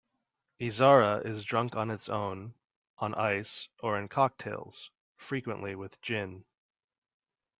Izarra is drunk on its own, on ice or in cocktails, frequently with gin.